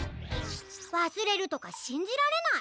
わすれるとかしんじられない！